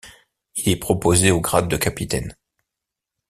Il est proposé au grade de capitaine.